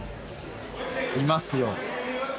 いますよ